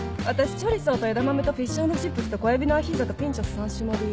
チョリソーと枝豆とフィッシュ＆チップスと小エビのアヒージョとピンチョス３種盛り。